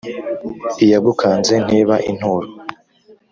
Iyagukanze ntiba inturo.